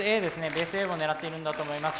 ベースＡを狙っているんだと思います。